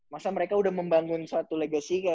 masa mereka udah membangun satu legacy